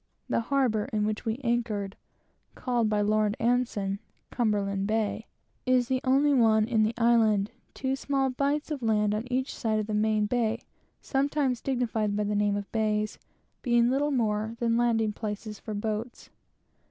The harbor in which we anchored (called by Lord Anson, Cumberland bay) is the only one in the island; two small bights of land on each side of the main bay (sometimes dignified by the name of bays) being little more than landing places for boats.